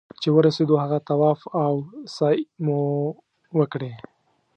چې ورسېدو هغه طواف او سعيې مو وکړې.